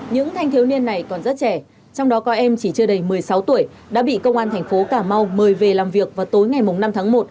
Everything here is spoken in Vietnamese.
những thanh thiếu niên này còn rất trẻ trong đó có em chỉ chưa đầy một mươi sáu tuổi đã bị công an thành phố cà mau mời về làm việc vào tối ngày năm tháng một